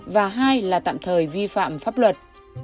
và hai là tạm thời vi phạm pháp luật